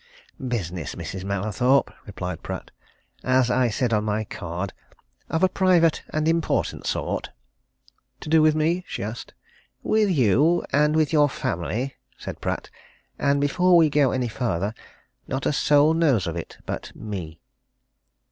"Business, Mrs. Mallathorpe," replied Pratt. "As I said on my card of a private and important sort." "To do with me?" she asked. "With you and with your family," said Pratt. "And before we go any further, not a soul knows of it but me."